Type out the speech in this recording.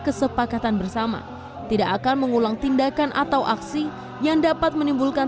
kesepakatan bersama tidak akan mengulang tindakan atau aksi yang dapat menimbulkan